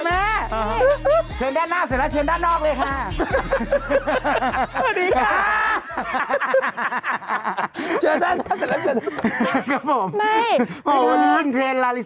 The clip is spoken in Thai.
มาด้านหน้าเลยลูกด้านหน้าเลย